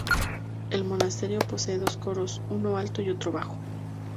El monasterio posee dos coros, uno alto y otro bajo.